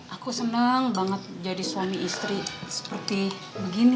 aku senang banget jadi suami istri seperti begini